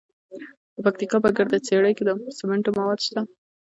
د پکتیا په ګرده څیړۍ کې د سمنټو مواد شته.